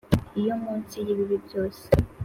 iyo munsi y'ibibi byose